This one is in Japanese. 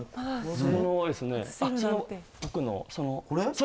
その奥の。これ？